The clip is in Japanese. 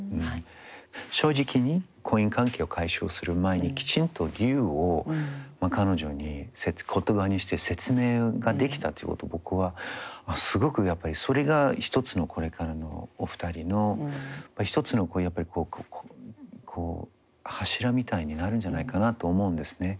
正直に婚姻関係を解消する前にきちんと理由を彼女に言葉にして説明ができたということ僕はすごくやっぱりそれが一つのこれからのお二人の一つのやっぱりこう柱みたいになるんじゃないかなと思うんですね。